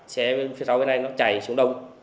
xe phía sau bên này nó chạy xuống đông